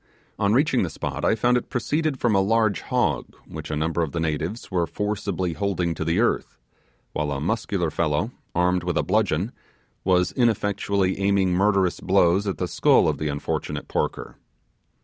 On reaching the spot I found it proceeded from a large hog which a number of natives were forcibly holding to the earth, while a muscular fellow, armed with a bludgeon, was ineffectually aiming murderous blows at the skull of the unfortunate porker.